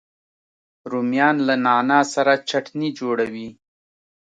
رومیان له نعنا سره چټني جوړوي